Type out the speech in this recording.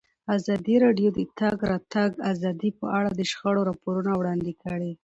ازادي راډیو د د تګ راتګ ازادي په اړه د شخړو راپورونه وړاندې کړي.